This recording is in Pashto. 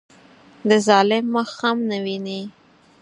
د ظالم مخ هم نه ویني.